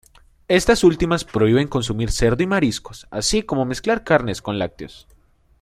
Estas últimas prohíben consumir cerdo y mariscos, así como mezclar carnes con lácteos.